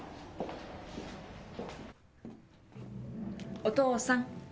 ・お父さん。